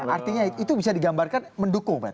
artinya itu bisa digambarkan mendukung pak